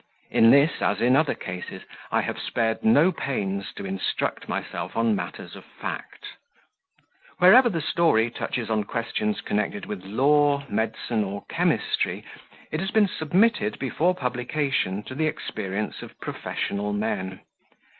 In this, as in other cases, I have spared no pains to instruct myself on matters of fact. Wherever the story touches on questions connected with Law, Medicine, or Chemistry, it has been submitted before publication to the experience of professional men.